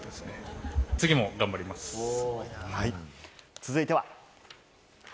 続いては。